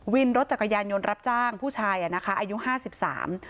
วินรถจักรยานยนต์รับจ้างผู้ชายอ่ะนะคะอายุห้าสิบสาม